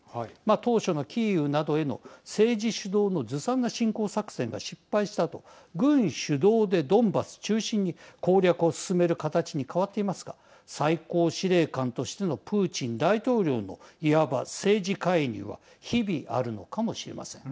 当初のキーウなどへの政治主導のずさんな侵攻作戦が失敗したと軍主導でドンバス中心に攻略を進める形へ変わっていますが最高司令官としてのプーチン大統領のいわば政治介入は日々、あるのかもしれません。